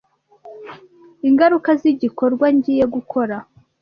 ingaruka z’igikorwa ngiye gukora,